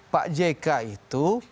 pak jk itu